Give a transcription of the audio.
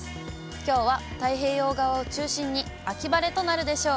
きょうは太平洋側を中心に秋晴れとなるでしょう。